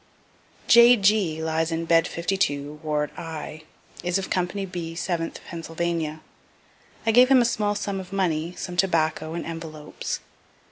J. G. lies in bed 52, ward I; is of company B, 7th Pennsylvania. I gave him a small sum of money, some tobacco, and envelopes.